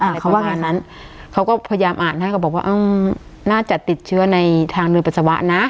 อะไรประมาณนั้นเขาก็พยายามอ่านให้เขาบอกว่าอืมน่าจะติดเชื้อในทางโดยปัสสาวะน่ะ